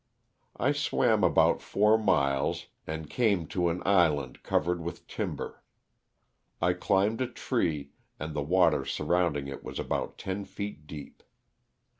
I swam about four miles and came to an island cov 80 LOSS OF THE SULTANA. ered with timber. I climbed a tree, and the water surrounding it was about ten feet deep.